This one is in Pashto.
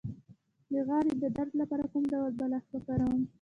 د غاړې د درد لپاره کوم ډول بالښت وکاروم؟